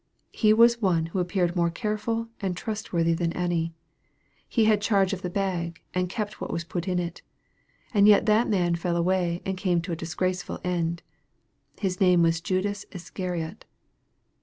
He was one who appeared more careful and trustworthy than any. He had the charge of the bag, and kept what was put in it. And yet that man fell away and came to a disgraceful end. His name was Judas Iscariot.